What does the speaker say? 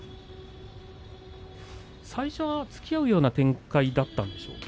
最初は突き合うような展開だったでしょうか。